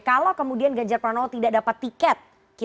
kalau kemudian ganjar pranowo tidak dapat tiket